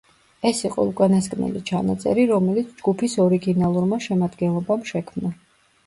ეს იყო უკანასკნელი ჩანაწერი, რომელიც ჯგუფის ორიგინალურმა შემადგენლობამ შექმნა.